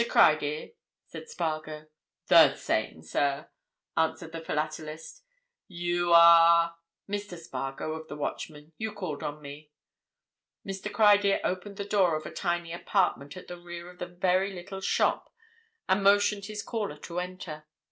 Criedir?" said Spargo. "The same, sir," answered the philatelist. "You are—?" "Mr. Spargo, of the Watchman. You called on me." Mr. Criedir opened the door of a tiny apartment at the rear of the very little shop and motioned his caller to enter.